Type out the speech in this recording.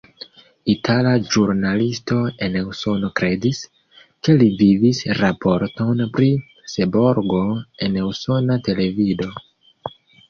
Itala ĵurnalisto en Usono kredis, ke li vidis raporton pri Seborgo en usona televido.